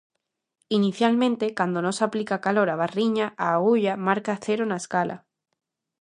Inicialmente, cando non se aplica calor á barriña, a agulla marca cero na escala.